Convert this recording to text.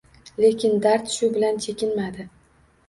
Lekin dard shu bilan chekinmadi.